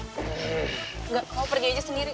enggak kamu pergi aja sendiri